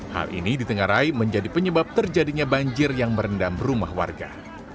hal ini di tengah rai menjadi penyebab terjadinya banjir yang merendam rumah warga